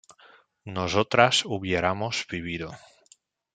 nosotras hubiéramos vivido